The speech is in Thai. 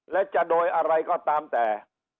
และจะโดยอะไรก็ตามแต่